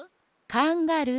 カンガルー？